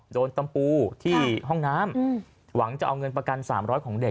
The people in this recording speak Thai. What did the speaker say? ตำปูที่ห้องน้ำหวังจะเอาเงินประกัน๓๐๐ของเด็ก